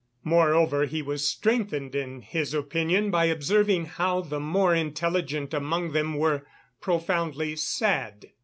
Moreover, he was strengthened in his opinion by observing how the more intelligent among them were profoundly sad.